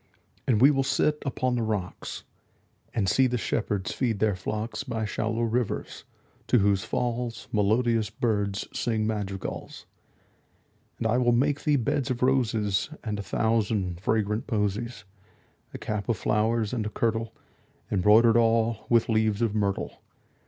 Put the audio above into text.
And we will sit upon the rocks, 5 And see the shepherds feed their flocks By shallow rivers, to whose falls Melodious birds sing madrigals. And I will make thee beds of roses And a thousand fragrant posies; 10 A cap of flowers, and a kirtle Embroider'd all with leaves of myrtle.